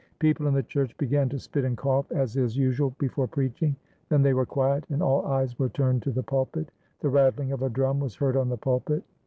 People in the church began to spit and cough, as is usual before preaching; then they were quiet, and all eyes were turned to the pulpit. The rattling of a drum was heard on the pulpit.